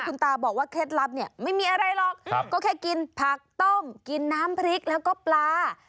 คุณตาบอกว่าเคล็ดลับเนี่ยไม่มีอะไรหรอกก็แค่กินผักต้มกินน้ำพริกแล้วก็ปลา